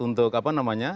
untuk apa namanya